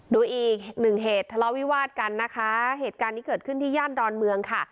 ดูอีกหนึ่งเหตุทะเลาะวิวาดกันนะคะเหตุการณ์นี้เกิดขึ้นที่ย่านดอนเมืองค่ะ